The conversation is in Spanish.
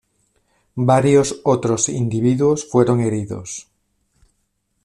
Varios otros individuos fueron heridos.